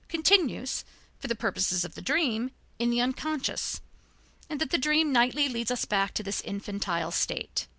continues, for the purposes of the dream, in the unconscious, and that the dream nightly leads us back to this infantile stage.